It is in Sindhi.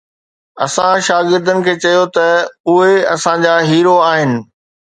اسان شاگردن کي چيو ته اهي اسان جا هيرو آهن.